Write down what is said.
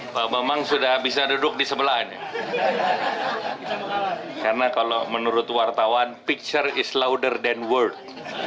pada saat ini pertama sekolah pertama sekolah pertama sekolah